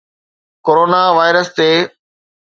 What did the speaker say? corona virus تي